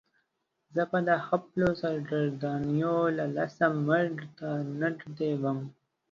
زه به د خپلو سرګردانیو له لاسه مرګ ته نږدې وم.